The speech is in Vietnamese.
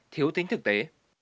thiếu tính thực tế